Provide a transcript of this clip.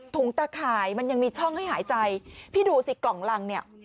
ตะข่ายมันยังมีช่องให้หายใจพี่ดูสิกล่องรังเนี่ย